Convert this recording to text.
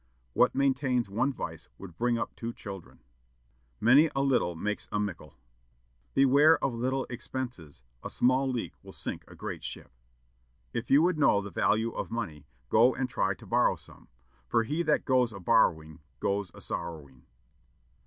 "What maintains one vice would bring up two children." "Many a little makes a mickle." "Beware of little expenses; a small leak will sink a great ship." "If you would know the value of money, go and try to borrow some; for he that goes a borrowing goes a sorrowing."